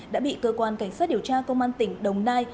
đã bị cơ quan cảnh sát điều tra công an tỉnh đồng nai